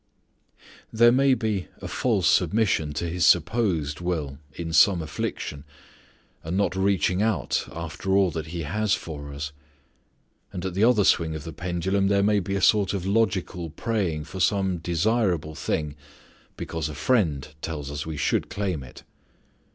There may be a false submission to His supposed will in some affliction; a not reaching out after all that He has for us. And at the other swing of the pendulum there may be a sort of logical praying for some desirable thing because a friend tells us we should claim it.